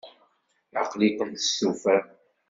Aql-iken testufam?